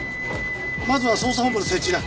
まずは捜査本部の設置だ。